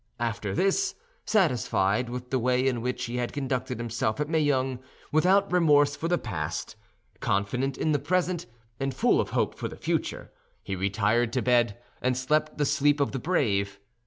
After this, satisfied with the way in which he had conducted himself at Meung, without remorse for the past, confident in the present, and full of hope for the future, he retired to bed and slept the sleep of the brave.